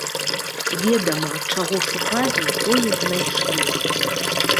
Ведама, чаго шукалі, тое знайшлі.